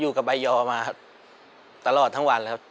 อยู่กับใบยอมาตลอดทั้งวันแล้วครับ